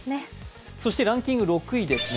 そしてランキング６位ですね。